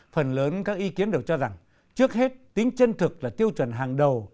phần lớn các ý kiến đều cho rằng trước hết tính chân thực là tiêu chuẩn hàng đầu